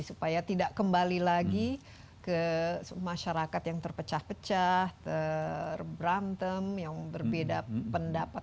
supaya tidak kembali lagi ke masyarakat yang terpecah pecah ter berantem yang berbeda pendapat